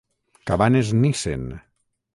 cabanes nissen.